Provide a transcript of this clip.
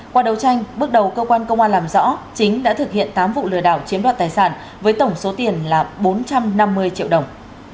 qua đầu tranh bước đầu cơ quan công an làm rõ chính đã thực hiện tám vụ lừa đảo chiếm đoạt tài sản với tổng số tiền là bốn trăm năm mươi triệu đồng